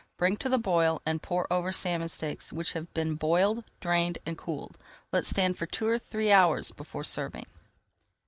Bring to the boil and pour over salmon steaks which have been boiled, drained, and cooled. Let stand for [Page 291] two or three hours before serving.